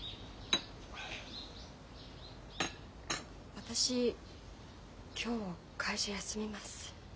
私今日会社休みます。